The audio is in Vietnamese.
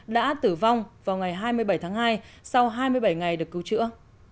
đã tử vong vào ngày hai mươi bảy tháng hai sau hai mươi bảy ngày được cứu chữa